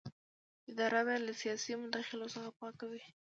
اداره باید له سیاسي مداخلو څخه پاکه وي.